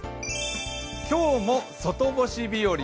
今日も外干し日和